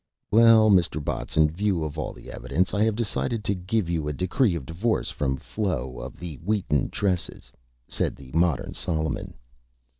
"Well, Mr. Botts, in View of all the Evidence, I have decided to give you a Decree of Divorce from Flo of the Wheaten Tresses," said the Modern Solomon.